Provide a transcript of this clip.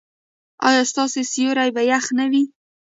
ایا ستاسو سیوري به يخ نه وي؟